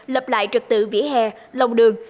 lập lại trật tự vỉa hè lòng đường